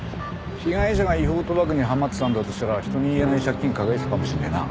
被害者が違法賭博にはまってたんだとしたら人に言えない借金抱えてたかもしれねえな。